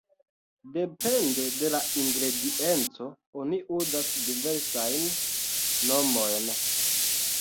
Depende de la ingredienco oni uzas diversajn nomojn.